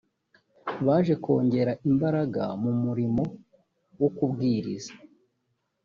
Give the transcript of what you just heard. baje kongera imbaraga mu murimo wo kubwiriza